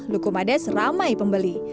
lukumades ramai pembeli